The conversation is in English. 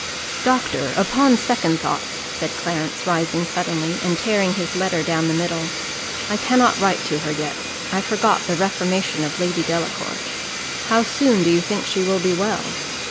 "Doctor, upon second thoughts," said Clarence, rising suddenly, and tearing his letter down the middle, "I cannot write to her yet I forgot the reformation of Lady Delacour: how soon do you think she will be well?